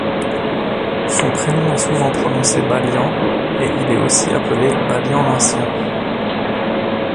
Son prénom est souvent prononcé Balian et il est aussi appelé Balian l'Ancien.